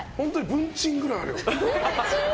文鎮くらいあるよ。